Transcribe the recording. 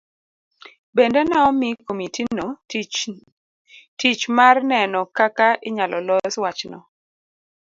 Bende ne omi komitino tich mar neno kaka inyalo los wachno.